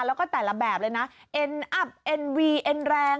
แล้วก็แต่ละแบบเลยนะเอ็นอัพเอ็นวีเอ็นแรง